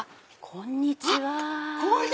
こんにちは！